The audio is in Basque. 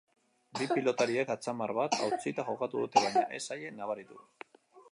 Bi pilotariek atzamar bat hautsita jokatu dute, baina ez zaie nabaritu.